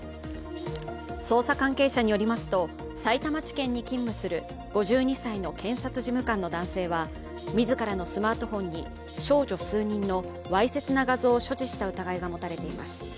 捜査関係者によりますと、さいたま地検に勤務する５２歳の検察事務官の男性は自らのスマートフォンに少女数人のわいせつな画像を所持した疑いが持たれています。